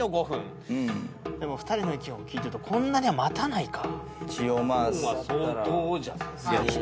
でも２人の意見を聞いてるとこんなには待たないか。